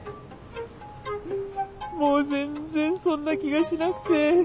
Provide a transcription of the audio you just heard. もう全然そんな気がしなくて。